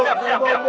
siap siap siap